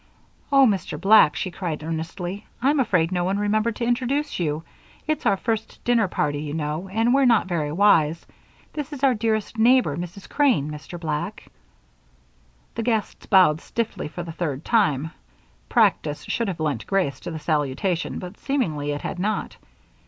"Oh, Mr. Black," she cried, earnestly, "I'm afraid no one remembered to introduce you. It's our first dinner party, you know, and we're not very wise. This is our dearest neighbor, Mrs. Crane, Mr. Black." The guests bowed stiffly for the third time. Practice should have lent grace to the salutation, but seemingly it had not.